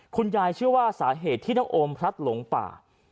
คุณยายเชื่อว่าสาเหตุที่น้องโอมพลัทธ์หลงป่า